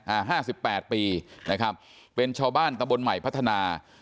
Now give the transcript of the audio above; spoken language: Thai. อ่า๕๘ปีนะครับเป็นชาวบ้านตำบลใหม่พัฒนา